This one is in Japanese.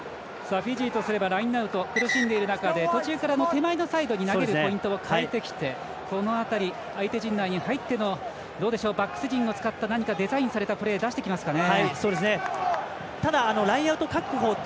フィジーとすればラインアウト苦しんでいる中で、途中から手前に投げるポイントを変えてきてこの辺り、相手陣内に入ってのバックス陣を使った何かデザインされたプレー、出してきますかね。